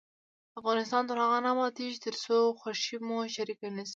افغانستان تر هغو نه ابادیږي، ترڅو خوښي مو شریکه نشي.